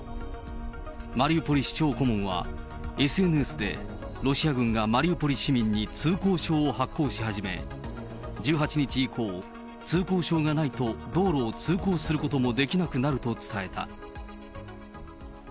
マリウポリ市長顧問は、ＳＮＳで、ロシア軍がマリウポリ市民に通行証を発行し始め、１８日以降、通行証がないと道路を通行することもできなくなると伝えた。